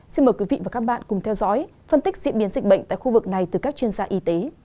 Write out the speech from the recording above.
xin mời quý vị và các bạn cùng theo dõi phân tích diễn biến dịch bệnh tại khu vực này từ các chuyên gia y tế